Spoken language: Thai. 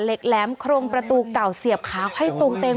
เหล็กแหลมโครงประตูเก่าเสียบขาค่อยตรงเต็ม